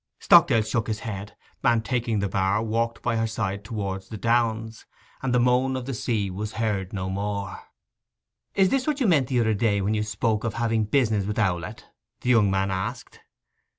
Stockdale shook his head, and, taking the bar, walked by her side towards the downs; and the moan of the sea was heard no more. 'Is this what you meant the other day when you spoke of having business with Owlett?' the young man asked.